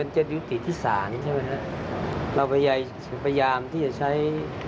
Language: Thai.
เราพยายามที่จะใช้